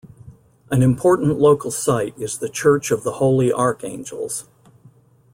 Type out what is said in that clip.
An important local site is the Church of the Holy Archangels.